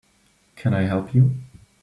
Can I help you?